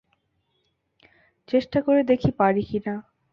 চেষ্টা করে দেখি পারি কি না!